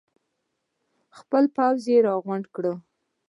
خپل پوځ یې راغونډ کړ.